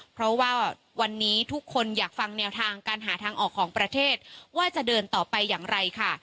เพราะว่าวันนี้ทุกคนอยากฟังแนวทางการหาทางออกของประเทศว่าจะเดินต่อไปอย่างไรค่ะ